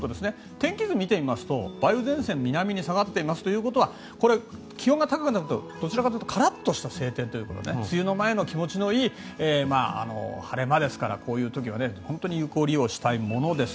天気図を見てみますと梅雨前線が南に下がっているということは気温が高くなるというかどちらかというとカラッとした晴天というか梅雨の前の気持ちのいい晴れ間ですからこういう時は有効利用したいものです。